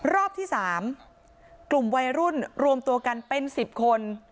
รอบที่๓กลุ่มวัยรุ่นรวมตัวกันเป็น๑๐คน